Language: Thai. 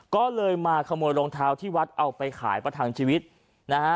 ก็เลยมาขโมยรองเท้าที่วัดเอาไปขายประทังชีวิตนะฮะ